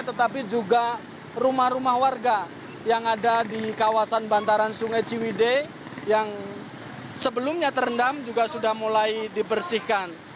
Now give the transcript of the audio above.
tetapi juga rumah rumah warga yang ada di kawasan bantaran sungai ciwide yang sebelumnya terendam juga sudah mulai dibersihkan